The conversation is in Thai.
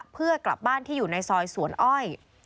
เพื่อกลับบ้านที่อยู่ในซอยสวนอ้อย